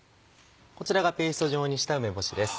こちらがペースト状にした梅干しです。